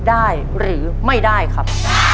ได้หรือไม่ได้ครับ